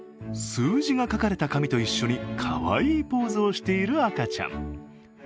数字が書かれた紙と一緒にかわいいポーズをしている赤ちゃん。